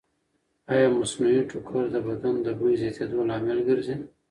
ایا مصنوعي ټوکر د بدن د بوی زیاتېدو لامل ګرځي؟